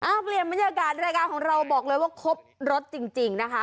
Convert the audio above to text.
เอาเปลี่ยนบรรยากาศรายการของเราบอกเลยว่าครบรสจริงนะคะ